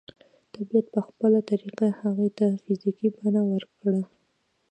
طبيعت به په خپله طريقه هغې ته فزيکي بڼه ورکړي.